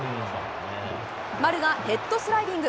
丸がヘッドスライディング。